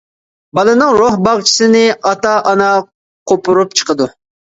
بالىنىڭ روھ باغچىسىنى ئاتا ئانا قوپۇرۇپ چىقىدۇ.